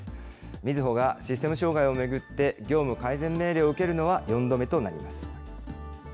みずほがシステム障害を巡って、業務改善命令を受けるのは４度目となります。